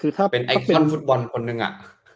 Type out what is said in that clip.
อืมเป็นไอคอนฟุตบอลนึงอ่ะ